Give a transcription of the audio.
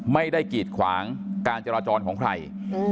ไม่ได้กีดขวางการจราจรของใคร